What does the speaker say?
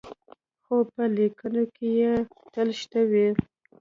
خو په لیکنو کې یې تل شته وي.